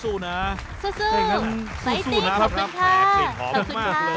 สู้สายสีขอบคุณค่ะขอบคุณค่ะ